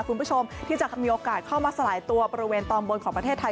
คุณผู้ชมที่จะมีโอกาสเข้ามาสลายตัวบริเวณตอนบนของประเทศไทย